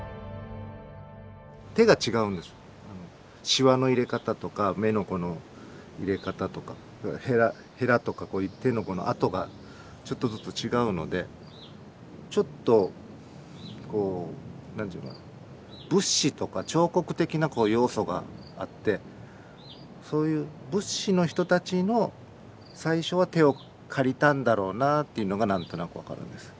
しわの入れ方とか目のこの入れ方とかへらとかこういう手のこの跡がちょっとずつ違うのでちょっとこう何て言うのかな仏師とか彫刻的なこう要素があってそういう仏師の人たちの最初は手を借りたんだろうなっていうのが何となく分かるんです。